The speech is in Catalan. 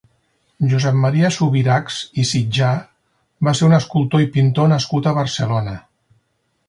Josep Maria Subirachs i Sitjar va ser un escultor i pintor nascut a Barcelona.